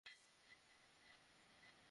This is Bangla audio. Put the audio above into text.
সে এতিম অসহায়।